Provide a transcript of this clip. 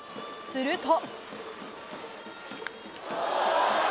すると。